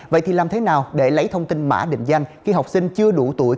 vậy thì làm thế nào để lấy thông tin mã định danh khi học sinh chưa đủ tuổi